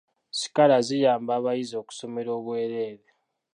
Sikaala ziyamba abayizi okusomera obwereere.